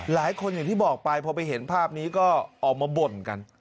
อย่างที่บอกไปพอไปเห็นภาพนี้ก็ออกมาบ่นกัน